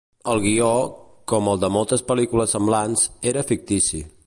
El guió, com el de moltes pel·lícules semblants, era fictici.